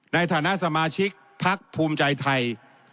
ในฐานะสมาชิกพักภูมิใจไทย